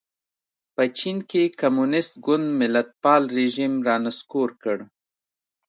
په چین کې کمونېست ګوند ملتپال رژیم را نسکور کړ.